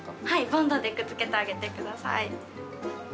ボンドでくっつけてあげてください。